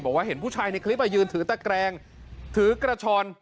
เห็นผู้ชายในคลิปยืนถือตะแกรงถือกระชอน